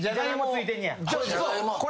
・ついてんねや。